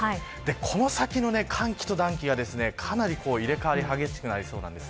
この先の寒気と暖気がかなり入れ替わりが激しくなりそうです。